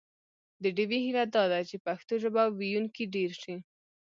د ډیوې هیله دا ده چې پښتو ژبه ویونکي ډېر شي